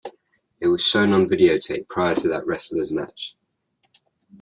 It was shown on videotape prior to that wrestler's match.